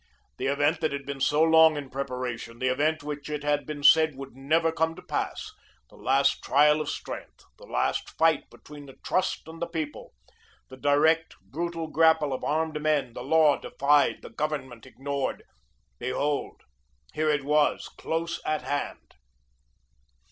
The event that had been so long in preparation, the event which it had been said would never come to pass, the last trial of strength, the last fight between the Trust and the People, the direct, brutal grapple of armed men, the law defied, the Government ignored, behold, here it was close at hand.